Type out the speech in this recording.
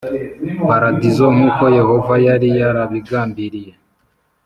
Paradizo nk uko yehova yari yarabigambiriye